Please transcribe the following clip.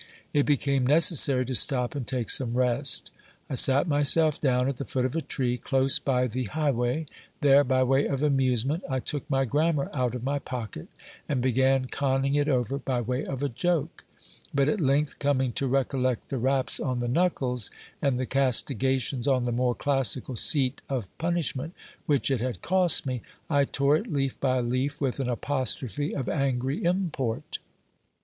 It became necessary to stop and take some rest I sat myself down at the foot of a tree close by the high way ; there, by way of amusement, I took my grammar out of my pocket, and began conning it over by way of a joke ; but at length, coming to recollect the raps on the knuckles, and the castigations on the more classical seat of punish ment which it had cost me, I tore it leaf by leaf with an apostrophe of angry import.